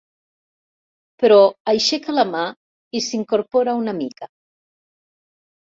Però aixeca la mà i s'incorpora una mica.